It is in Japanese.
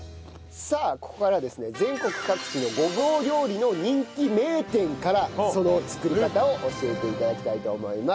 さあここからはですね全国各地のごぼう料理の人気名店からその作り方を教えて頂きたいと思います。